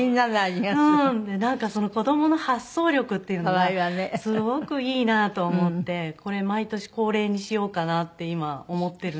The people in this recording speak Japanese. その子供の発想力っていうのがすごくいいなと思ってこれ毎年恒例にしようかなって今思っているんですよね。